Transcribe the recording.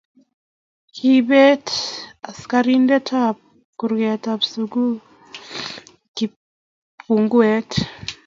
Kiibet askarinte ab kurkee ab sukul kipunguet.